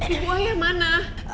ibu ayah mana